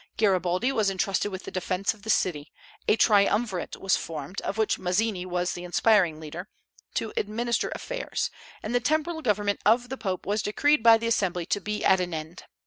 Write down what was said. Garibaldi was intrusted with the defence of the city; a triumvirate was formed of which Mazzini was the inspiring leader to administer affairs, and the temporal government of the Pope was decreed by the Assembly to be at an end.